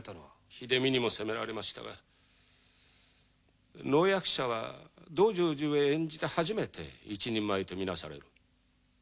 秀美にも責められましたが能役者は『道成寺』を演じて初めて一人前と見なされる。